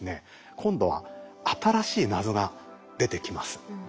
今度は新しい謎が出てきます。